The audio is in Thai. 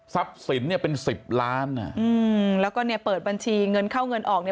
ทรัพย์สินเนี่ยเป็น๑๐ล้านแล้วก็เนี่ยเปิดบัญชีเงินเข้าเงินออกเนี่ย